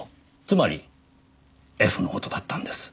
つまりＦの音だったんです。